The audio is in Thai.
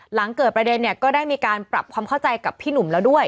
หลังเกิดประเด็นเนี่ยก็ได้มีการปรับความเข้าใจกับพี่หนุ่มแล้วด้วย